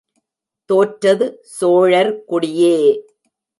தோற்றது சோழர் குடியே!